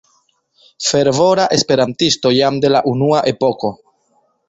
Fervora E-isto jam de la unua epoko.